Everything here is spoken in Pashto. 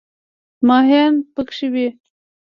ماهیان پکې وي.